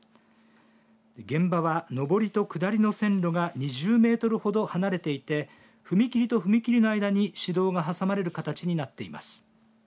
現場は上りと下りの線路が２０メートルほど離れていて踏切と踏切の間に市道が挟まれる形になっています。